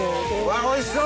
わっおいしそう！